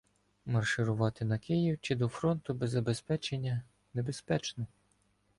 — Марширувати на Київ чи до фронту без забезпечення небезпечно.